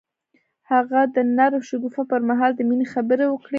هغه د نرم شګوفه پر مهال د مینې خبرې وکړې.